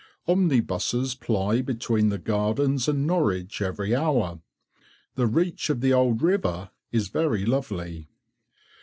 Omnibuses ply between the Gardens and Norwich every hour. The reach of the old river is very lovely.